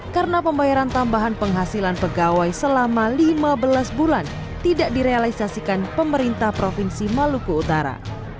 karena pembayaran tambahan penghasilan pegawai selama lima belas bulan tidak direalisasikan pemerintah provinsi maluku utara